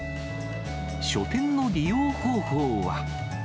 書店の利用方法は。